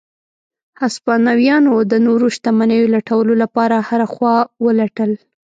هسپانویانو د نورو شتمنیو لټولو لپاره هره خوا ولټل.